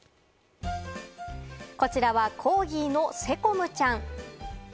こちらはコーギーのせこむちゃん。